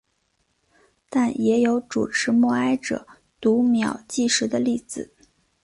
但也有主持默哀者读秒计时的例子。